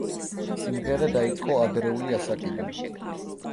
სიმღერა დაიწყო ადრეული ასაკიდან.